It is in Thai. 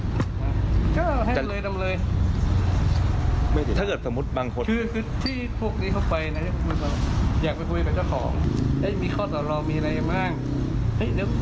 ก็เสียดายคือเขาได้แต่ก็ไม่แจ้ง